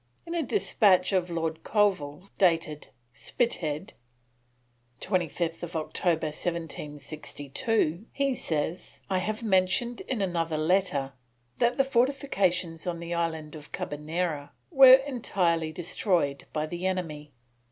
In a despatch of Lord Colville's, dated "Spithead, 25th October 1762," he says: "I have mentioned in another letter, that the fortifications on the Island of Carbonera were entirely destroyed by the enemy.